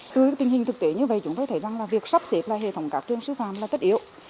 từ tình hình thực tế như vậy chúng tôi thấy rằng là việc sắp xếp lại hệ thống các trường sư phạm là tất yếu